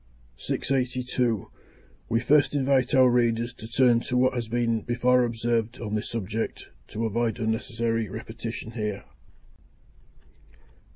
682. We first invite our readers to turn to what has been before observed on this subject (285, 298), to avoid unnecessary repetition here.